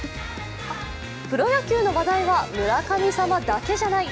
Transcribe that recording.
プロ野球の話題は村神様だけじゃない。